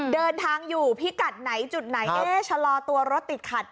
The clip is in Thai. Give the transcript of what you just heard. เดินทางอยู่พิกัดไหนจุดไหนชะลอตัวรถติดขัด